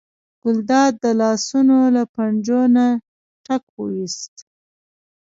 ګلداد د لاسونو له پنجو نه ټک وویست.